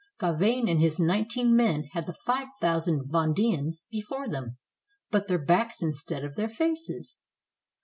Gauvain and his nine teen men had the five thousand Vendeans before them, but their backs instead of their faces.